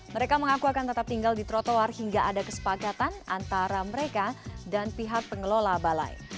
mereka mengaku akan tetap tinggal di trotoar hingga ada kesepakatan antara mereka dan pihak pengelola balai